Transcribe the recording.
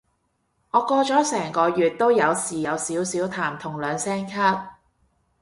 我過咗成個月都有時有少少痰同兩聲咳